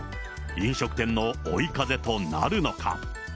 飲食店の追い風となるのか。